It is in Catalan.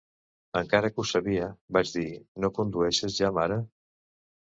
Encara que ho sabia, vaig dir, no condueixes ja mare?